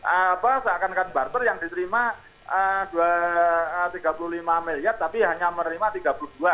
apa seakan akan barter yang diterima rp tiga puluh lima miliar tapi hanya menerima rp tiga puluh dua